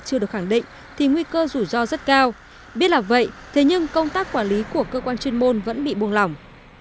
chưa được khẳng định thì nguy cơ rủi ro rất cao biết là vậy thế nhưng công tác quản lý của cơ quan chuyên môn vẫn bị buông lỏng